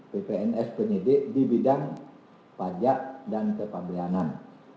ppns penyidik di bidang pajak dan kepabelanan